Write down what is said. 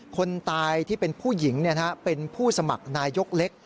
คนตายที่เป็นผู้หญิงเป็นผู้สมัครนายกเล็ก